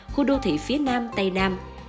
khu đô thị phía nam tây nam